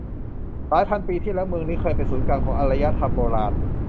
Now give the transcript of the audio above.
หลายพันปีที่แล้วเมืองนี้เคยเป็นศูนย์กลางของอารยธรรมโบราณ